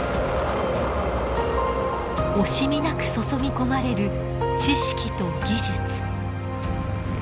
惜しみなく注ぎ込まれる知識と技術。